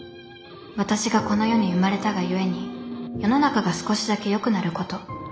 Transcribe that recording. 私がこの世に生まれたがゆえに世の中が少しだけよくなること。